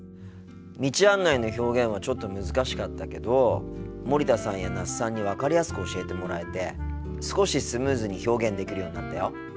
道案内の表現はちょっと難しかったけど森田さんや那須さんに分かりやすく教えてもらえて少しスムーズに表現できるようになったよ。